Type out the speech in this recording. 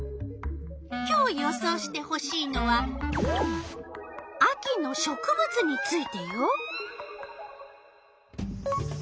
今日予想してほしいのは秋の植物についてよ。